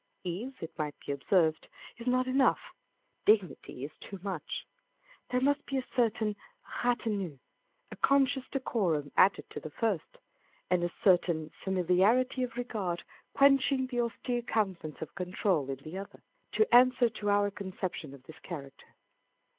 Ease, it might be observed, is not enough ; dignity is too much. There must be a certain retenn, a conscious decorum, added to the first, â€" and a certain " familiarity of regard, quenching the austere countenance of control," in the other, to answer to our conception of this character.